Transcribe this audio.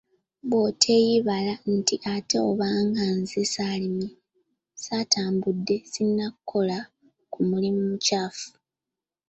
Bw'oteeyibaala nti ate obanga nze saalimye, saatambudde, sinnakola ku mulimu mukyafu.